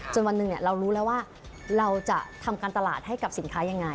วันหนึ่งเรารู้แล้วว่าเราจะทำการตลาดให้กับสินค้ายังไง